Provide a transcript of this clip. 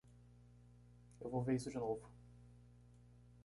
Eu vou ver isso de novo.